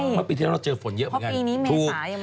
เพราะปีที่แล้วเราเจอฝนเยอะเหมือนกัน